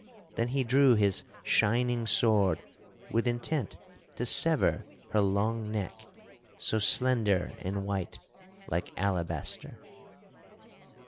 Then he drew his shining sword with intent to sever her long neck, so slender and white like alabaster.